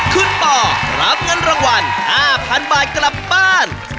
คุณปอรับเงินรางวัล๕๐๐๐บาทกลับบ้าน